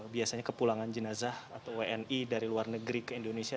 biasanya kepulangan jenazah atau wni dari luar negeri ke indonesia